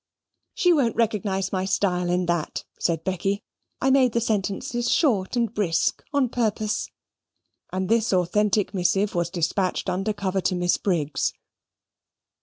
"She won't recognise my style in that," said Becky. "I made the sentences short and brisk on purpose." And this authentic missive was despatched under cover to Miss Briggs.